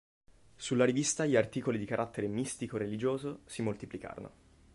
Sulla rivista gli articoli di carattere mistico-religioso si moltiplicarono.